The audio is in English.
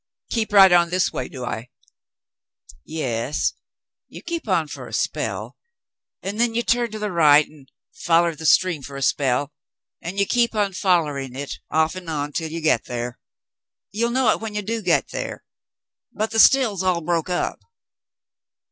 "Keep right on this way, do 1?'^ "Yas, you keep on fer a spell, an' then you turn to th' right an' foller the stream fer a spell, an' you keep on follerin' hit off an' on till you git thar. Ye'll know hit when you do git thar, but th' still's all broke up."